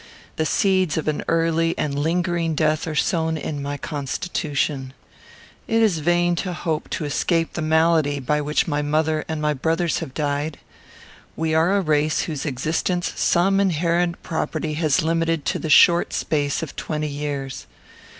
The seeds of an early and lingering death are sown in my constitution. It is in vain to hope to escape the malady by which my mother and my brothers have died. We are a race whose existence some inherent property has limited to the short space of twenty years.